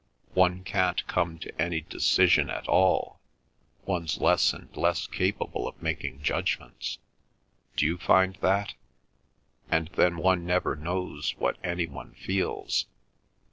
One can't come to any decision at all; one's less and less capable of making judgments. D'you find that? And then one never knows what any one feels.